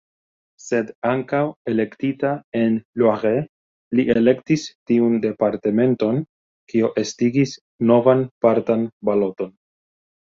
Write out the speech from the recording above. Sed ankaŭ elektita en Loiret, li elektis tiun departementon, kio estigis novan partan baloton.